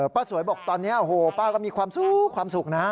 ป้าสวยบอกตอนนี้โอ้โหป้าก็มีความสุขความสุขนะ